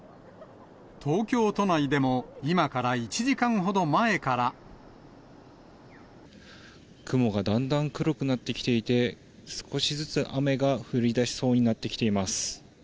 東京都内でも今から１時間ほ雲がだんだん黒くなってきていて、少しずつ雨が降りだしそうになってきています。